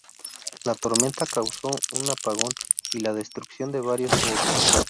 La tormenta causó un apagón y la destrucción de varios botes.